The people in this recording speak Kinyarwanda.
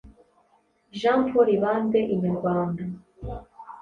Jean Paul Ibambe/ Inyarwanda